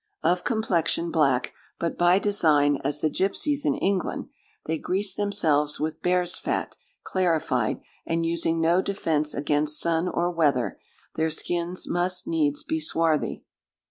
Of complexion, black, but by design, as the gypsies in England: they grease themselves with bear's fat, clarified; and using no defence against sun or weather, their skins must needs be swarthy.